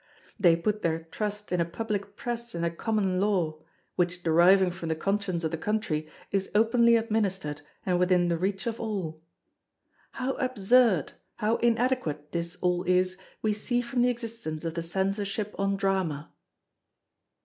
They put their trust in a Public Press and a Common Law, which deriving from the Conscience of the Country, is openly administered and within the reach of all. How absurd, how inadequate this all is we see from the existence of the Censorship on Drama.